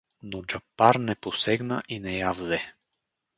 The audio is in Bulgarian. Но Джапар не посегна и не я взе.